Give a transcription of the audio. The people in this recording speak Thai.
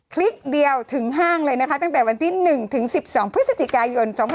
คลิกเดียวถึงห้างเลยนะคะตั้งแต่วันที่๑ถึง๑๒พฤศจิกายน๒๕๖๒